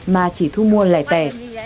mà chỉ thu mua lẻ tẻ